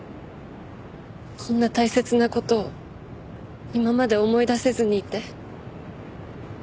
こんな大切な事を今まで思い出せずにいて。